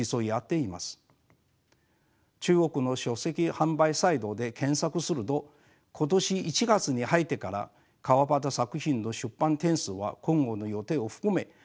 中国の書籍販売サイトで検索すると今年１月に入ってから川端作品の出版点数は今後の予定を含め８０冊を超えています。